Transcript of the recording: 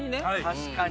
確かに！